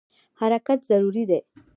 حرکت ضروري دی.